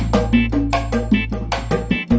tapi masih nyopet